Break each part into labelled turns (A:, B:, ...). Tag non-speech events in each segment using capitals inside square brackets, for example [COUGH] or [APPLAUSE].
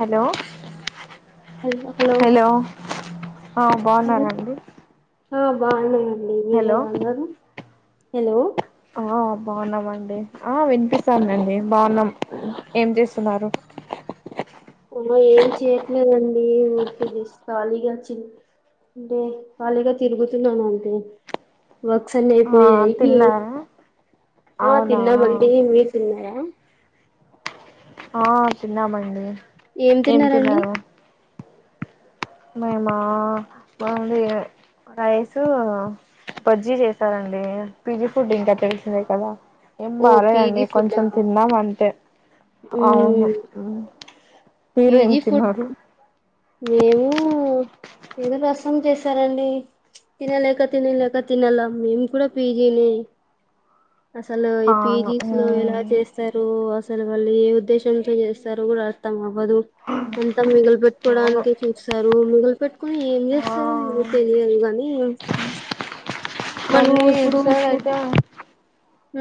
A: Hello hello ఆ
B: hello
A: బాగున్నారాండి
B: ఆ బాగు వరలా అందారు హలో
A: ఆ బాగున్నా అండి ఆ వినిపిస్తానండి బాగున్నాం ఏం చేస్తున్నారు
B: ఏం చేయట్లేదండి ఊరికే ఖాళీగా అంటే ఖాళీగా తిరుగుతున్నాను అంటే ఒకసన్న
A: ఆ
B: అయిపోయి అయి
A: తిన్నారా అవునా
B: తిన్నా మ మీ తన్నారా
A: ఆ చిన్నమండి
B: ఏం తిన్నారండి
A: మేమా మీ రైస్ బజ్జీ చేసారంండి పిజీ ఫుడ్ ఇంకా తెలిసిందే కదా ఏం
B: ఓ
A: బాలేదండి
B: పీజీ ఫుడ్డా
A: కొంచెం తిన్నామ అంటే అవును
B: మ్మ్
A: హీరో ఏం
B: పీజీ ఫుడ్
A: తిన్నారు
B: మేము ఏదో ప్రసం చేసారంండి తినలేక తినలేక తినాల మేము కూడా పీజీని అసలు ఈ
A: అవును
B: పీజీస్ లో ఎలా చేస్తారు అసలు అసలు వాళ్ళు ఏ ఉద్దేశంతో చేస్తారుో కూడా అర్థం అవ్వదు అంతా మిగిలి పెట్ పొన్
A: అవును
B: క చస మిగులు పెట్టుకుని ఏం
A: ఆ
B: చేస్తారు ఏో తెలియదు కాగానీ మన
A: తీర్ స అయితే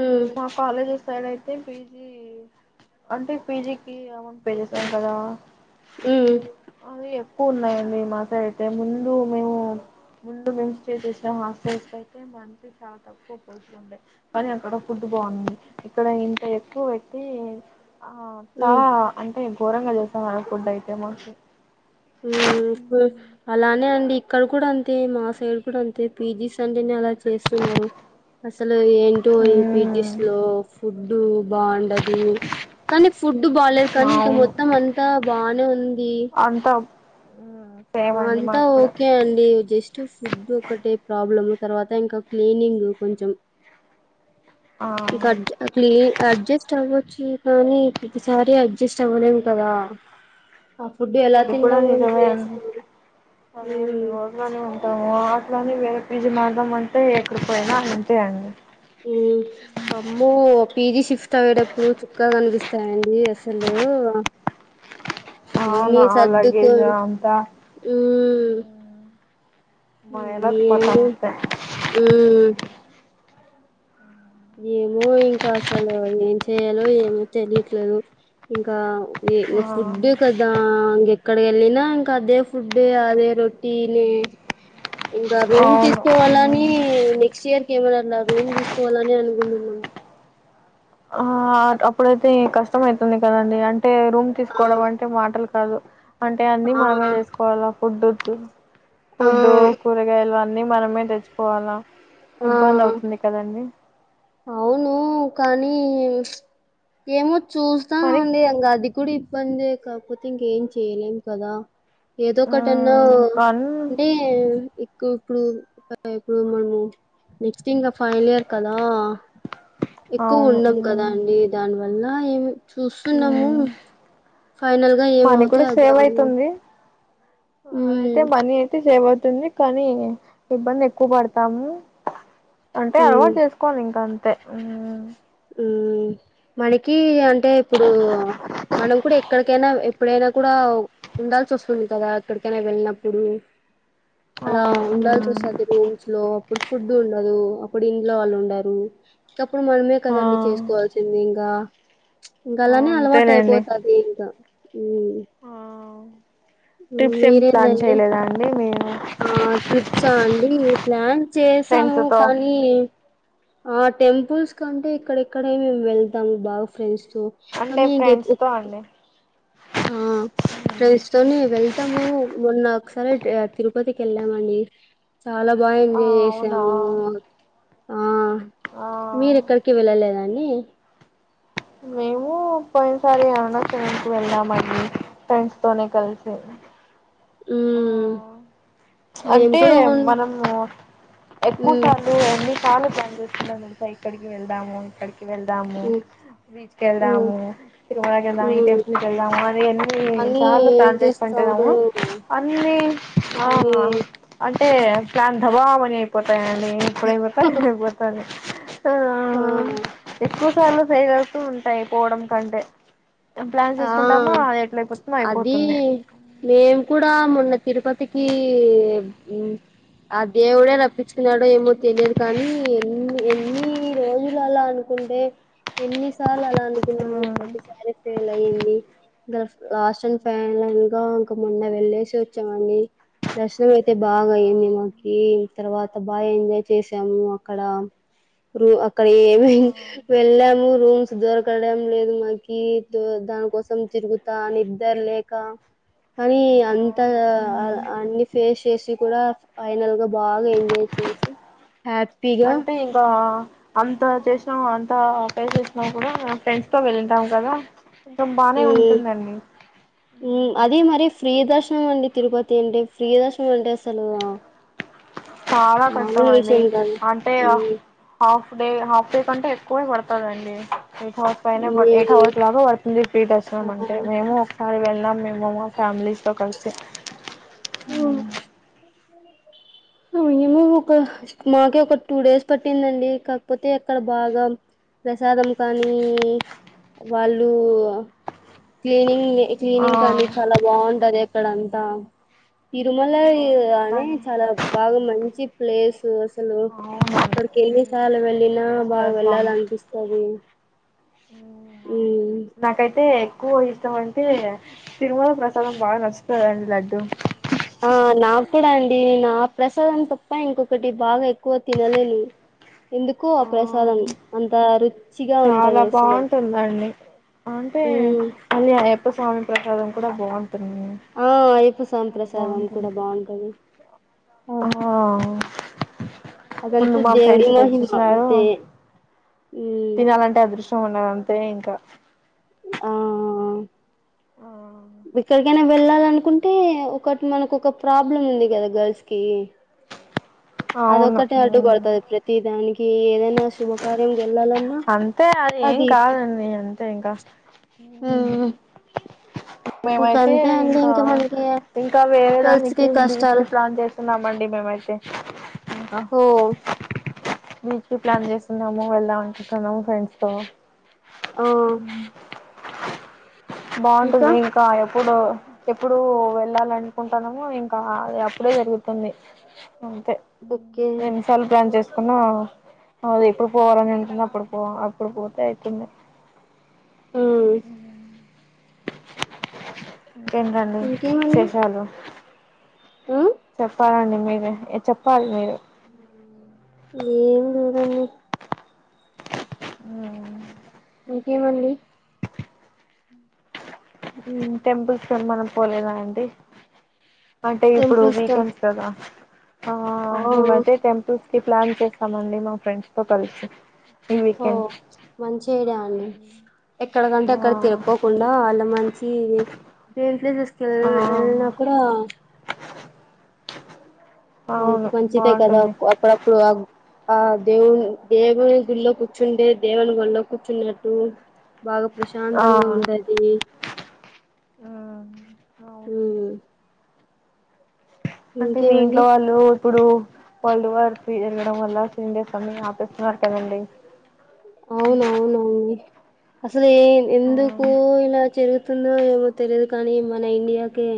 B: ఉమ్
A: నా కాలేజ్ సైడ్ అయితే పి పీ అంటే పీజీకిి అమౌంట్ పే చేసాం కదా
B: ఆ
A: తక్కువ ఉన్నాయండి మా సైడ్ ఐతే ముందు మేము ముందు మేము స్టే చేసిన హాస్టల్స్కి అయితే మంచి చాలా తక్కువ పోత ఉండే కానీ అక్కడ ఫుట్బాంది ఇక్కడ ఇంత ఎక్కువ పెట్టి ఆ
B: ఉమ్
A: చాలా అంటే ఘోరంగా చేస్తా మ ఫుడ్ అయితే మాకు
B: ఊమ్ అ అలానే అండి ఇక్కడ కూడా అంతే మా సైడ్ కూడా అంతే పీజీ సండేనే అలా చేస్తున్నారు ఫస్ ఆ ఏంటో ఎ పిజ్ జూసిన ఓ ఫు ఫుడ్ బాగుండదు కానీ ఫుడ్ బాాలలేదు కానీ ఇంకా మొత్తం అంతా బాగానే
A: అంటా
B: అంతా ఓకే అండి జస్ట్ ఫుడ్ ఒకటే ప్రాబ్లమ్ తర్వాత ఇంకా క్లీనింగ్ కొంచెం ఇజ
A: ఆ
B: క్లీన్ అడ్జస్ట్ అ కానీసారి అడ్జస్ట్ అవ్వలేం కదా ఆ ఫుడ్ ఎలా తిన్నాము ఉడి
A: అద ఓట్లనే ఉంటాము అట్లానే వే విజమాదం అంటే ఎక్కడి పోయినా అంతే అండి
B: ఉ అమ్మ పీజి షిఫ్ట్ అయ్యేటప్పుడు చుక్కాగా కనిపిస్తాయండి అసలు
A: అవును
B: అమ్మీ
A: ఆ
B: సదుకు
A: లగేజ్ అంతా ఎలాకపోతాం
B: ఏను
A: అంతే
B: ఏమో ఇంకా అసలు ఏం చెయయాలో ఏమో తెలియట్లేదు ఇంకా ఇ ఇ
A: ఆ
B: ఫుడ్ కది రా ఇంక ఎక్కడికి వెళ్ళిన ఇంకా అదే ఫుడ్ అదే రొటీని ఇంకా రూమ్
A: అవును
B: తీసుకోవాలని నెక్స్ట్ ఇయర్మ రూమ్ తీస్తూ అల రే అనుకుంటున్నాం
A: అప్పుడేతే క ష్ట అవుతుంది కదండి అంటే రూమ్
B: ఆ
A: తీసుకోవడం అంటే మాటలు అ అంటే అన్నీ
B: ఆ
A: మనమే చేసుకోవాలి ఫుడ్ ఇ
B: ఆ
A: ఫుడ్డు కూరగాయల్వ అన్నీ మనమే తెచ్చిపోవాలా
B: ఆ
A: ఇబ్బంది
B: ఆ.
A: అవుతుంది కదండి
B: అవును కానీ ఏమ చూస్తాం
A: కానీ
B: అండి ఇకా అది కూడా ఇబ్బందే కాకపోతే ఇంకేం చేయలేం కదా ఏదో ఒకటన్నా
A: ఉమ్ కానీ
B: అంటే ఇ ఇప్పుడు ఇప్పుడు మనము నెక్స్ట్ ఇంకా ఫైనల్ ఇయర్ కదా ఎక్కువ
A: అవును
B: ఉన్నాం కదా
A: ఉమ్
B: అండి దానివల్ల అలా ఏమి చూస్తున్నాము
A: ఉమ్
B: ఫైనల్ గా
A: మనీ
B: ఏమవుతే
A: కూడా
B: అది
A: సేవ్
B: అదు
A: అయితుంది అదైతే మనీ అయితే సేవ అవుతుంది కానీ ఇబ్బంది ఎక్కువ పడతాము అంటే
B: ఉమ్
A: అలవాటు చేసుకోవాలి ఇంకా అంత త
B: ఉ మనకి అంటే ఇప్పుడు మనం కూడా ఎక్కడికైనా ఎప్పుడైనా కూడా ఉండాల్సి వస్తుంది కదా ఎక్కడికైనా వెళ్ళినప్పుడు అలా
A: అవును
B: ఉండాల్సి
A: ఉమ్
B: వస్తుంది రూమ్స్ లో అప్పుడు ఫుడ్ ఉండదు అప్పుడు ఇంట్లో వాళ్ళు ఉండరు ఇకప్పుడు మన
A: ఆ
B: కదండి చేసుకోవాల్సింది ఇంకా ఇంకా అలానే అలవాటు
A: అంతేలేండి
B: అయిపోతుది ఇంకా
A: ఆ ట్రిప్స్ ఏం ప్లాన్
B: మీరేంటండి
A: చేయలేదా అండి మీ
B: ఆ ట్రిప్సా అండి ప్లాన్
A: ఫ్రెండ్స్
B: చేసాము
A: తో
B: కానీ ఆ టెంపుల్స్ కంటే ఇక్కడెక్కడ మేము వెళ్తాం బాగా ఫ్రెండ్స్
A: అంటే
B: కనీ
A: ఫ్రెండ్స్ తో అండి
B: ఆ క్రైస్తతోనే వెల్ మ మొన్న ఒకసాల తిరుపతికి వెళ్ళం అడి చాలా బాగా
A: ఆ
B: ఎంజాయ్
A: అవునా
B: చేసాము ఆ
A: ఆ
B: మీరెక్కడికి వెళ్ళలేదాన్ని
A: మేము పోయినసారి అరుణసకి వెళ్ళాం అది ఫ్రెండ్స్ తోనే కలిసి
B: ఆ
A: అంటే మనము ఎక్కువ
B: మ్మ్
A: సార్లు ఎన్ని సార్లు ప్లాన్ ఇక్కడికి వెళ్దాము ఇక్కడికి వెళ్దాము
B: మ్మ్
A: బీచ్ క
B: మ్మ్
A: వెళ్దాము తిరుమర వెదాము
B: మ్మ్
A: టెంపుల్ వెళ్దాము అ అన్ని
B: కానీ
A: సార్లు
B: ఏం
A: ప్లాన్
B: చేస్తాము
A: చేసుకుంటాము అన్ని
B: కొన్ని
A: అంటే ప్లాన్ హవా మనయిపోతా న ఇప్పుడుంపోతా పోతా
B: ఆ
A: ఎక్కువ చాలా సేగలుస్తూ ఉంటాయి పోవడం కంటే ప్లాన్
B: ఆ
A: చేసుకుంటామా అది ఎట్ల అయిపోతుందో
B: అది
A: అయిపోతుంది
B: మేం కూడా మొన్న తిరుపతికి ఆ దేవుడే రప్పించుకున్నాడో ఏమో తెలియదు కానీ ఎన్ని ఎన్ని రోజులు అలా అనుకుంటే ఎన్నిసార్లు అలా అనుకున్నాము ప్రతిసారి ఫెయిల్ అయింది ఇం లాస్ట్ అండ్ ఫైనల్ గా ఇంకా మొన్న వెళ్ళేసి వచ్చామండి దర్శనం అయితే బాగా అయ్యంది మాకి
A: అవును
B: తర్వాత బాగా ఎంజాయ్ చేసాము అక్కడ రూ అక్కడ ఏమి వెళ్ళాము రూమ్స్ దొరకడం లేదు మాకి దాని కోసం తిరుగుతా నిద్దరు లేక కానీ అంతా అన్ని ఫేస్ చేసి కూడా ఫైనల్ గా బాగా ఎంజాయ్ చేసి హ్యాపీ
A: అంటే ఇంకా అంత చేసినాం అంత పే చేసినా కూడా ఫ్రెండ్స్ తో వెళంటాం కదా ఇంకా బానే ఉంటుందండి
B: అదే మరి ఫ్రీ దర్శనం అండి తిరుపతి అంటే ఫ్రీదర్శనం అంటే అసలు
A: చాలా కష్టం
B: మామూలు
A: అండి
B: విషయం కాదు
A: అంటే
B: మ్మ్
A: హఫ్ డే హాఫ్ డేఅంటే ఎక్కువ పడుతదండి ఎయిట్ హవర్స్ పైనే ఎయిట్
B: మేము
A: హవర్స్ లాగా పడుతుంది ఫ్రీ దర్ అంటే మేము ఒకసారి వెళ్ళి మేం మేము ఫ్యామలీతో కలిసి
B: అవ ఏమో ఒక మాకే ఒక టూ డేస్ పట్టిందండి కాకపోతే అక్కడ బాగా ప్రసాదం కానీ వాళ్ళు క్లీనింగ్
A: ఆ
B: క్లీనింగ్ కాని బాంటది ఎక్కడంతా తిరుమల అనే
A: అవునండి
B: చాలా బాగా మంచ చి ప్లేస్ అసలు అక్కడికి ఎన్ని సార్లు వెళ్ళినా
A: వెంకటేశ్వర
B: బాగా వెళ్ళాల
A: స్వామి
B: అనిపిస్తాది
A: నాకైతే ఎక్కువ ఇష్టం అ తే తిరుమల ప్రసాదం బాగ నచ్చుతది అండి లడ్డు
B: ఆ నాక్కూడా అండి ఆ ప్రసాదం తప్ప ఇంకొకటి బాగా ఎక్కువ తినలేను ఎందుకో ఆ ప్రసాదం అంత రు
A: చాలా బాగుంటుందండి అంటే
B: ఉమ్
A: మళ్ళీ అయ్యప్ప స్వామి ప్రసాదం కూడా బాం
B: ఆ అయ్యప్ప సామీ ప్రసాదం కూడా
A: బాగుంటుంది
B: బాంటది
A: ఆ ముందు
B: అదంతా
A: మా
B: దేవుడి
A: ఫ్రెండ్స్
B: మహిమ
A: తెచ్చిచ్చినారు
B: అంతే మ్మ్
A: తినాలంటే అదృష్టం ఉండాల టే ఇంకా
B: ఆ ఆ ఆ
A: ఆ
B: వేక్కడికైనా వెళ్ళాలనుకుంటే ఒకటి మనకు ఒక ప్రాబ్లం ఉంది కదా గర్ల్స్ కి
A: అవును
B: అదొక్కటే అడ్డు పడుపడతాది ప్రతి దానికి ఏదైనా [UNINTELLIGIBLE] శుభకార్యం గెల్లలన్నా
A: అంతే ఏం
B: అది ఇది
A: కాదండి అంతే ఇంకా
B: ఇంక
A: మేమైతే
B: అంతే అండి
A: ఇంకా
B: మనకి
A: ఇంకా వేరే
B: గర్ల్స్
A: దానికి
B: కి
A: బీచ్కి
B: కష్టాలు
A: ప్లాన్ చేస్తున్నామండి. మేమైతే ఇంకా
B: ఓ
A: బీచ్కి ప్లాన్ చేస్తున్నాము వెళ్దాం అనుకుంటున్నాము ఫ్రెండ్స్ తో
B: ఆ
A: బావుంటాది ఇంకా ఎప్పుడు ఎప్పుడు వెళ్ళాల్ అనుకుంటానమో ఇంకా అది అప్పుడే జరుగుతుంది.
B: ఓకే
A: ఎన్ని సార్లు ప్లాన్ చెస్ నా అ ఎప్పుడు పోవాలని ఉంటుంది అప్పుడు పోవ అప్పుడు పోతే అయితుండే
B: మ్మ్
A: ఉ ఇంకేంటండి
B: ఇంకేమండి
A: విశేషాలు
B: మ్మ్
A: చెప్పాలండి మీరు చెప్పాలి మీరే
B: ఏం లేదండి ఇంకే మండి
A: టెంపుల్స్ కి ఏ మన్న పోలేలా అండి అంటే ఇప్పుడు
B: టెంపుల్స్ క
A: వీకెండ్స్ కదా ఆ మేమైతే టెంపుల్స్ కి ప్లాన్ చేస్తామండి మా ఫ్రెండ్స్ తో కలిసి ఈ
B: హొ
A: వీకెండ్
B: మంచి ఐడియా అండి ఎక్కడకంటే అక్కడికి
A: ఆ
B: తిరుక్కో కుండా ఆళ్ళ మంచి ప్లేసెస్ ల్
A: ఆ
B: ఎళ్నా కూడా మనకి
A: అవును
B: మంచిదే కదా
A: బాగుంటుంది
B: అప్పుడప్పుడు ఆ ఆ దేవు దేవుని గుల్లో కూర్చుండే దేవుని వోల్లో కూర్చున్నట్టు బాగా
A: ఆ
B: ప్రశాంతంగా ఉంటది
A: ఉమ్ అవునండి
B: హ్
A: అంటే మీ ఇంట్లో వాళ్ళు ఇప్పుడు వరల్డ్ వార్ రు జరగడం వల్ల ముందే అన్నీ ఆపేస్తున్నారు. కదండి
B: అవునవును అండి సలె
A: ఆ
B: ఎందుకు ఇలా జరుగుతుందో ఏమో తెలియదు కానీ మన ఇండియాకే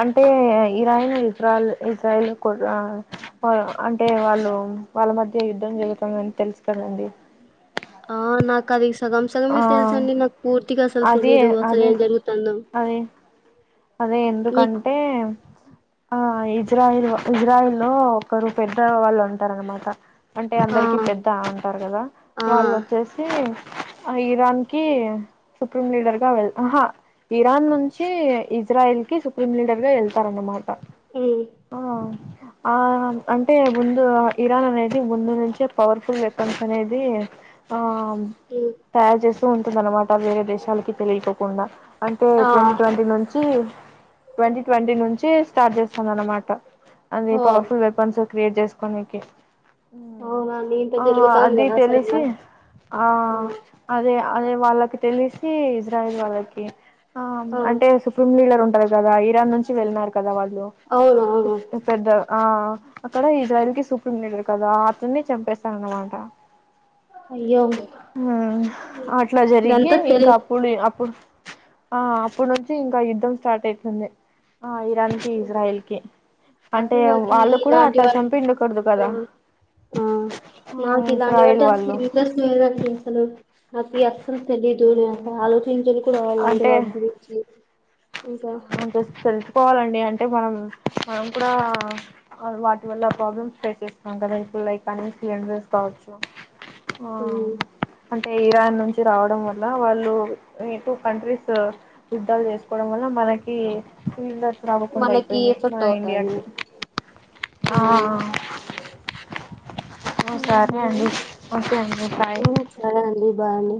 A: అంటే ఇరాయిన్ ఇజ్రాల్ ఇజ్రాయిల్ కూడా అంటే వాళ్ళు వాళ్ళ మధ్య యుద్ధం జరుగుతంది అని తెలుసు కదండి.
B: ఆ నాకు అది ఇస్త సగం సగమే
A: ఆ
B: తెలుసు అండి నాకు పూర్తిగా అసలు
A: అదే
B: తెలియదు అసలు
A: అదే
B: ఏం జరుగుతుందో
A: అదే అదే
B: మీకు
A: ఎందుకంటే ఆ ఇజ్రాయిల్ ఇజ్రాయిల్ లో ఒకరు పెద్ద వాళ్ళు ఉంటారన్న మాట అంటే
B: ఆ
A: అందరికి పెద్ద అంటారు కదా
B: ఆ
A: వాళ్ళు వో చ్చేసి ఇరాన్ కి సుప్రీం లీడర్ గా వెల్ ఆహా ఇరాన్ నుంచి ఇజ్ జ్రాయిల్ కి ఈ సుప్రీమ్ లీడర్ గా వెళ్తారు అన్నమా ట
B: ఉమ్
A: ఆ ఆ అంటే ముందు ఇరాన్ అనేది ముందు నుంచే పవర్ ఫుల్ వెపన్స్ అనేది ఆ
B: ఉమ్
A: తయారు చేసే స్తూ ఉంటుంద అనమాట వేరే దేశాలకి తెలియకోకుండా అంటే
B: ఆ
A: ట్వంటీ ట్వంటీ నుంచి ట్వంటీ ట్వంటీ నుంచి స్టార్ట్ చేస్తాంది అనమాట అది
B: ఓ
A: పవర్ఫుల్ వెపన్స్ క్రియేట్ చేసుకోనేకి
B: అవునండి ఇంత
A: ఆ
B: జరుగుతాందా
A: అది
B: అసలు
A: తెలిసి ఆ అదే అనే వాళ్ళకి తెలిసి వాళ్ళకి ఆ అంటే లీడర్ ఉంటారు కదా ఇరాన్ నుంచి వెళ్ళినారు కదా వా లు
B: అవును అవును
A: పెద్ద ఆ అక్కడ ఇజ్రాయిల్ కి సూప్రీమ్ లీడర్ కదా అతన్ని చంపేసారన్నమాట
B: అయ్యో
A: హ్మ్ అట్లా జరిగి
B: ఇదంతా తెలి
A: ఇంకా అప్పుడు అప్పుడు ఆ అప్పుడు నుంచి యుద్ధం స్టార్ట్ అయితుంది ఆ ఇరాన్ కి ఇజ్రాయిల్ కి అంటే
B: అసలు నాకు
A: వాళ్ళు కూడా
B: ఇలాంటి
A: అట్లా
B: వాళ్ళు
A: చంపిండకూడదు
B: ఆ
A: కదా
B: ఆ
A: ఆ
B: నాకు
A: ఇజ్రాయిల్
B: ఇలాంటివంటే
A: వాళ్ళు
B: నాకి అస్సలు తెలీదు నేను అసలు ఆలోచించను కూడా అలాంటి వాటి గురించి ఇంకా
A: జస్ తెలుసుకోవాలం డి అంటే మనం మనం కూడా వాటి వల్ల ప్రాబ్లమ్స్ ఫేస్ చేస్తున్నాం కదా ఇప్పుడు లైక్ కానీ సిలిండర్స్ కావచ్చు ఆ
B: ఉమ్
A: అంటే ఇరాన్ నుంచి రావడం వల్ల వాళ్ళు ఈ టూ కంట్రీస్ యుద్ధాలు చేసుకోవడం వల్ల మనకి రవ్వకుండా
B: మనకి
A: అయిపోయింది
B: ఎఫెక్ట్
A: మన
B: అవుతది
A: ఇండియాకి
B: ఆ
A: అ
B: ఉహు.
A: సరే అండి ఓకే అండి బాయ్
B: ఉమ్ సరే అండి బాయ్ అండి